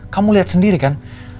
kamu liat sendiri kan